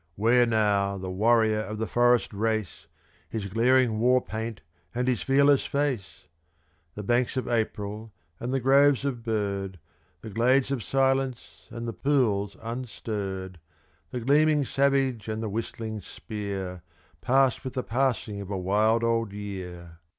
Where now the warrior of the forest race, His glaring war paint and his fearless face? The banks of April and the groves of bird, The glades of silence and the pools unstirred, The gleaming savage and the whistling spear, Passed with the passing of a wild old year!